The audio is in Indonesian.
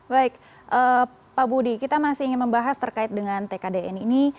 baik pak budi kita masih ingin membahas terkait dengan tkdn ini